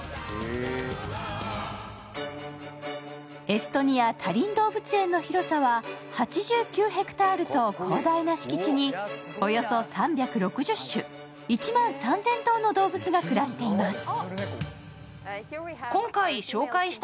エストニア・タリン動物園の広さは８９ｈａと広大な敷地におよそ３６０種、１万３０００頭の動物が暮らしています